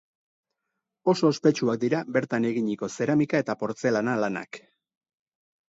Oso ospetsuak dira bertan eginiko zeramika eta portzelana lanak.